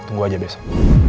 tunggu aja besok